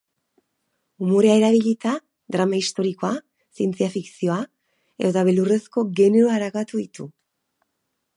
Umorea erabilita, drama historikoa, zientzia fikzioa edota beldurrezko generoa arakatu ditu.